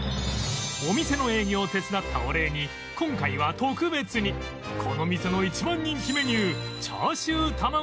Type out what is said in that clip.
お店の営業を手伝ったお礼に今回は特別にこの店の一番人気メニュー